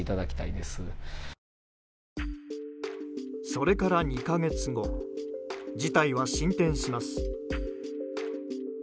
それから２か月後事態は進展します。